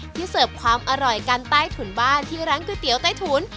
เสิร์ฟความอร่อยกันใต้ถุนบ้านที่ร้านก๋วยเตี๋ยวใต้ถุน